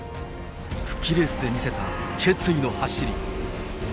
復帰レースで見せた決意の走り。